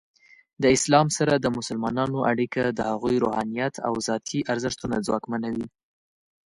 د اسلام سره د مسلمانانو اړیکه د هغوی روحانیت او ذاتی ارزښتونه ځواکمنوي.